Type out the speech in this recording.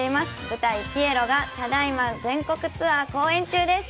舞台「ぴえろ」がただいま全国ツアー公演中です。